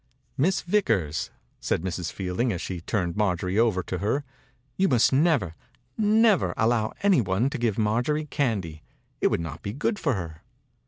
"Miss Vickers," said Mrs. Fielding, as she turned Mar jorie over to her, "you must never, never allow any one to give Marjorie candy. It would not be good for her."